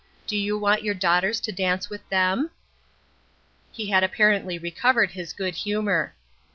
Do you want your daughters to dance with them ?" He had apparently recovered his good humor.